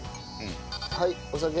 はいお酒。